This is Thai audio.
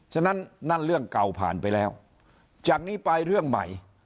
ฉะนั้นนั่นเรื่องเก่าผ่านไปแล้วจากนี้ไปเรื่องใหม่